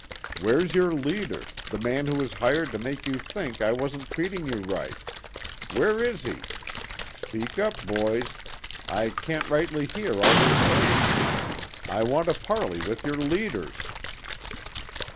Where's your leader, the man who was hired to make you think I wasn't treating you right; where is he? Speak up, boys, I can't rightly hear all you're saying. I want to parley with your leaders."